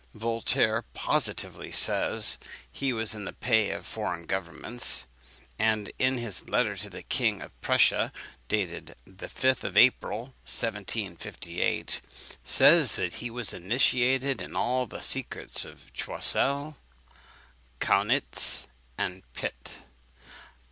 Voltaire positively says he was in the pay of foreign governments; and in his letter to the King of Prussia, dated the 5th of April 1758, says that he was initiated in all the secrets of Choiseul, Kaunitz, and Pitt.